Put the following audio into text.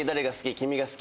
君が好き。